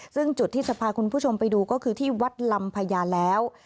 ซึ่งจุดที่จะพาคุณผู้ชมไปดูก็คือที่วัดลำพญาแล้ว